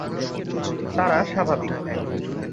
তারা স্বাভাবিক।